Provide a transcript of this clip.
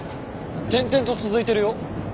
点々と続いているよ。